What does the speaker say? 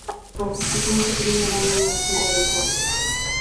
Participó en su primer año en el Giro de Italia.